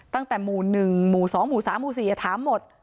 ตั้งแต่หมู่หนึ่งหมู่สองหมู่สามหมู่สี่ทั้งหมด